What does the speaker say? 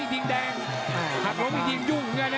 อีกทิ้งแดงหักล้มอีกทิ้งยุ่ง